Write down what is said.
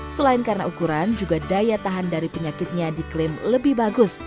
selain karena ukuran juga daya tahan dari penyakitnya diklaim lebih bagus